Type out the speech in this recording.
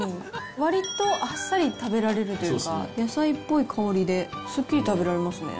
わりとあっさり食べられるというか、野菜っぽい香りで、すっきり食べられますね。